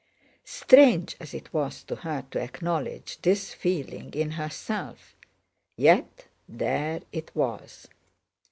Strange as it was to her to acknowledge this feeling in herself, yet there it was.